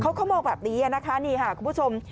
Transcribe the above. เขาก็มองแบบนี้นะคะคุณผู้ชม